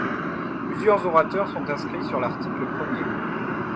Plusieurs orateurs sont inscrits sur l’article premier.